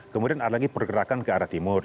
kemudian ada lagi pergerakan ke arah timur